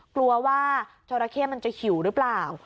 กลัวว่าจราเข้มันจะหิวหรือเปล่า